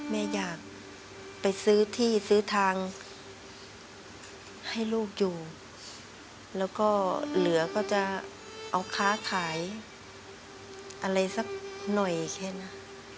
แม่อยากไปซื้อที่ซื้อทางให้ลูกอยู่แล้วก็เหลือก็จะเอาค้าขายอะไรสักหน่อยแค่นั้น